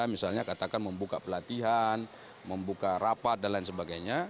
misalnya katakan membuka pelatihan membuka rapat dan lain sebagainya